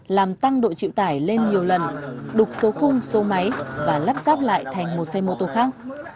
làm tăng độ chịu tải lên nhiều lần đục số khung số máy và lắp ráp lại thành một xe mô tô khác